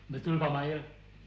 betul pak mail